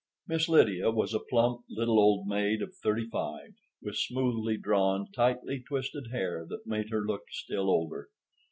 Miss Lydia was a plump, little old maid of thirty five, with smoothly drawn, tightly twisted hair that made her look still older.